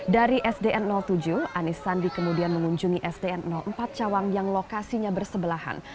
dari sdn tujuh anies sandi kemudian mengunjungi sdn empat cawang yang lokasinya bersebelahan